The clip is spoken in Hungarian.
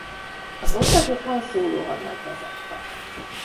Az osztagot Han Solo hadnagy vezette.